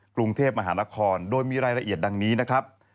กรุงเทพมหานครโดยมีรายละเอียดดังนี้นะครับ